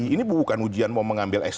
ini bukan ujian mau mengambil s tiga